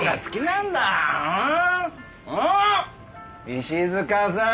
石塚さん。